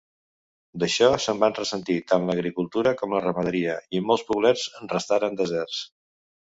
D'això se'n van ressentir tant l'agricultura com la ramaderia, i molts poblets restaren deserts.